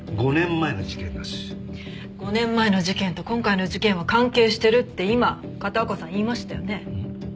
５年前の事件と今回の事件は関係してるって今片岡さん言いましたよね？